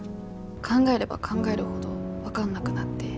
考えれば考えるほど分かんなくなって。